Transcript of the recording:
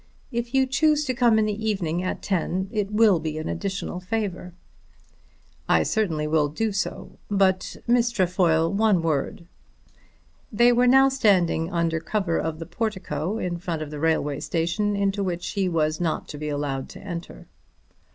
If you choose to come in the evening at ten it will be an additional favour." "I certainly will do so. But Miss Trefoil, one word." They were now standing under cover of the portico in front of the railway station, into which he was not to be allowed to enter.